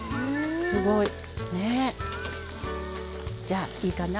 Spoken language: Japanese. すごい。ねえ。じゃあいいかな？